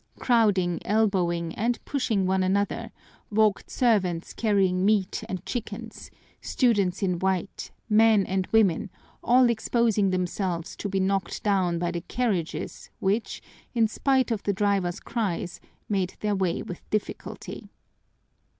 Crowding, elbowing, and pushing one another, walked servants carrying meat and chickens, students in white, men and women, all exposing themselves to be knocked down by the carriages which, in spite of the drivers' cries, made their way with difficulty.